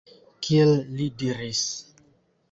Kiel li diris